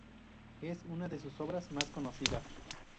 Es una de sus obras más conocidas.